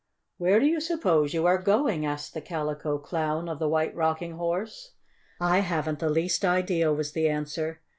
"Where do you suppose you are going?" asked the Calico Clown of the White Rocking Horse. "I haven't the least idea," was the answer.